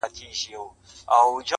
• خدایه نور یې د ژوندو له کتار باسه.